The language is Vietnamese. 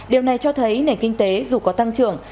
điều này cho thấy nền kinh tế dù có tăng trưởng